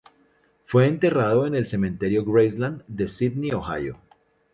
Fue enterrado en el Cementerio Graceland de Sidney, Ohio.